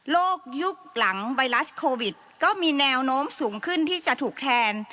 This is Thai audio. ยุคหลังไวรัสโควิดก็มีแนวโน้มสูงขึ้นที่จะถูกแทน